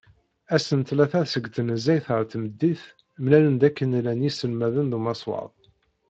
Ass n ttlata seg tnezzayt ar tmeddit, mlalen-d akken llan yiselmaden d umaswaḍ.